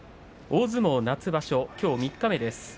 大相撲夏場所きょう三日目です。